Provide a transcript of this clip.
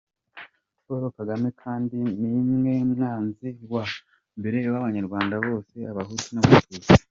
Paul Kagame kandi niwe mwanzi wa mbere w’abanyarwanda bose abahutu n’abatutsi.